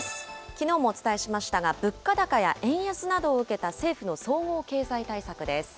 きのうもお伝えしましたが、物価高や円安などを受けた政府の総合経済対策です。